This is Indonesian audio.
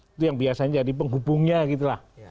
itu yang biasanya jadi penghubungnya gitu lah